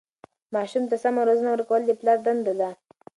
ماسوم ته سمه روزنه ورکول د پلار دنده ده.